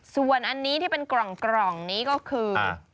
ส่วนอันนี้ที่เป็นกล่องนี้ก็คือ